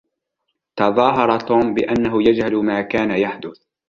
تظاهر توم بأنه يجهل ما كان يحدث.